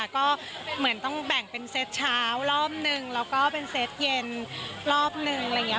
ก็เหมือนต้องแบ่งเป็นเซตเช้ารอบนึงแล้วก็เป็นเซตเย็นรอบนึงอะไรอย่างนี้